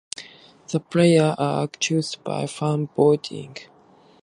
The players were chosen by fan voting.